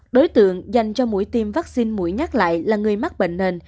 đối tượng dành cho mũi tiêm vaccine mũi nhát lại là người mắc bệnh nền